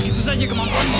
itu saja kemampuanmu